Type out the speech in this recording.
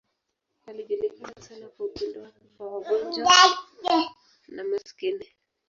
Alijulikana sana kwa upendo wake kwa wagonjwa na maskini.